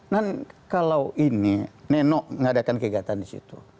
nah kalau ini nenok mengadakan kegiatan disitu